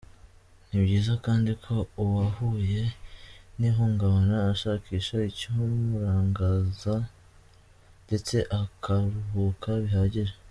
Ni byiza kandi ko uwahuye n’ihungabana ashakisha icyamuranganza ndetse akaruhuka bihagije.